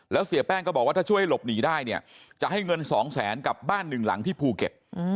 แล้วเสียแป้งก็บอกว่าถ้าช่วยหลบหนีได้เนี่ยจะให้เงิน๒แสนกับบ้านหนึ่งหลังที่ภูเก็ต